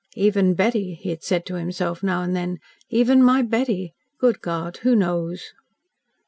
"Even Betty," he had said to himself, now and then. "Even my Betty. Good God who knows!"